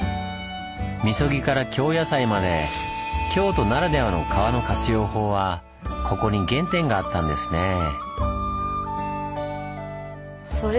禊から京野菜まで京都ならではの川の活用法はここに原点があったんですねぇ。